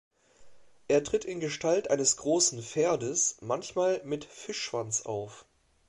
Er tritt in Gestalt eines großen Pferdes, manchmal mit Fischschwanz auf.